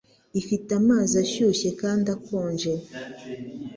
Ifite amazi ashyushye kandi akonje,